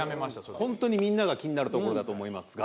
ほんとにみんなが気になるところだと思いますが。